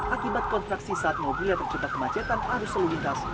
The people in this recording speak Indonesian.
akibat kontraksi saat mobilnya terjebak kemacetan arus seluintas